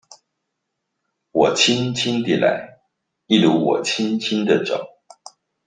我輕輕地來一如我輕輕的走